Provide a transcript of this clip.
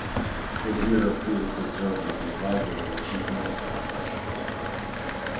Wazir previously served as the adviser to the chief minister on merged districts.